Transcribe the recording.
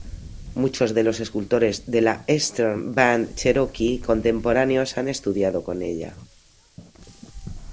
Muchos de los escultores de la Eastern Band Cherokee contemporáneos han estudiado con ella.